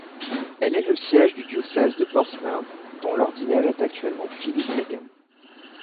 Elle est le siège du diocèse de Portsmouth, dont l'ordinaire est actuellement Philip Egan.